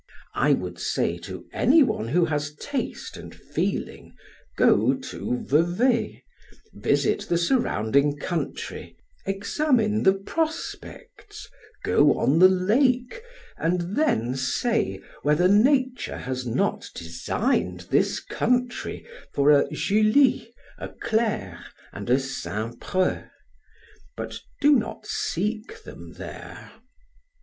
I would say to any one who has taste and feeling, go to Vevay, visit the surrounding country, examine the prospects, go on the lake and then say, whether nature has not designed this country for a Julia, a Clara, and a St. Preux; but do not seek them there.